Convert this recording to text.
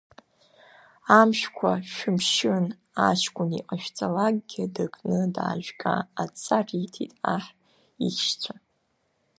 Амшәқәа шәымшьын, аҷкәын иҟашәаҵалкгьы дыкны даажәга, адҵа риҭеит аҳ ихьшьцәа.